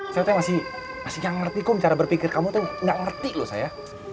saya tuh masih yang ngerti kok cara berpikir kamu tuh nggak ngerti loh saya